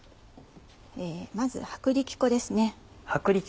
まず薄力粉ですね。